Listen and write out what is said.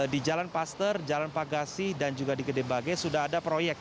di jalan paster jalan pagarsi dan juga di gedebage sudah ada proyek